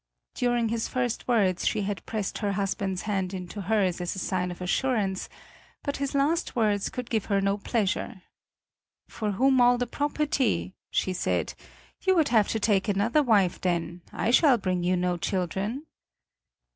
During his first words she had pressed her husband's hand into hers as a sign of assurance; but his last words could give her no pleasure. "For whom all the property?" she said. "You would have to take another wife then; I shall bring you no children."